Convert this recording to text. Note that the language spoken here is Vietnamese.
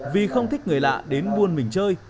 vì không thích người lạ đến buôn mình chơi